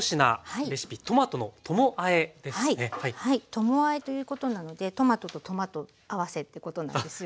ともあえということなのでトマトとトマト合わせってことなんですよね。